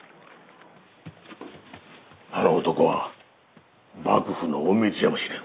あの男は幕府の隠密やもしれぬ。